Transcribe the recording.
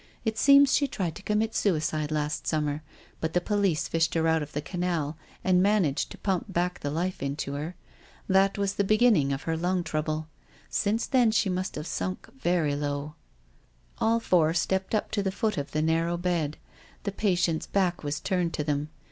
It seems she tried to commit suicide last summer, on one of those bitterly cold days that we had, but the police fished her out of the canal, and managed to pump back the life into her. That was the beginning of her lung trouble. Since then she must have sunk very low." All four stepped up to the foot of the narrow bed. The patient's back was turned to them.